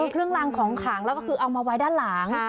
เครื่องรางของขังแล้วก็คือเอามาไว้ด้านหลัง